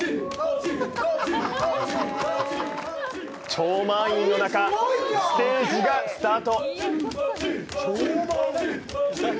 超満員の中、ステージがスタート！